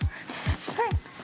はい。